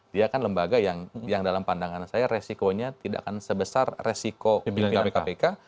dia kan lembaga yang dalam pandangan saya resikonya tidak akan sebesar resiko pimpinan kpk